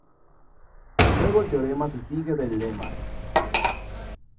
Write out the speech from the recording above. Luego el teorema se sigue del lema.